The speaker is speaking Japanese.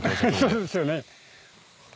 そうですよね。